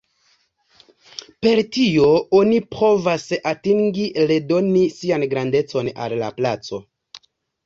Per tio oni provas atingi redoni 'sian grandecon' al la placo.